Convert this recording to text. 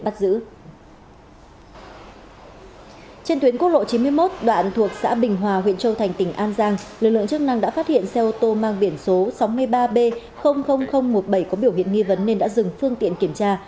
trong một đoạn thuộc xã bình hòa huyện châu thành tỉnh an giang lực lượng chức năng đã phát hiện xe ô tô mang biển số sáu mươi ba b một mươi bảy có biểu hiện nghi vấn nên đã dừng phương tiện kiểm tra